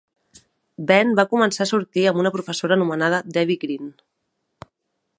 Ben va començar a sortir amb una professora anomenada Debbie Green.